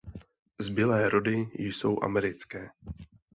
Zbylé rody jsou americké.